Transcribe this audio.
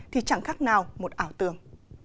thì chẳng khác nào một ảo tường